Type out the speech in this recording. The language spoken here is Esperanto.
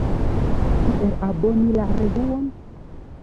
Kiel aboni la revuon?